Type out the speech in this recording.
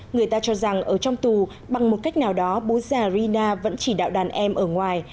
người ta cho rằng ở trong tù bằng một cách nào đó bú già rina vẫn chỉ đạo đàn em ở ngoài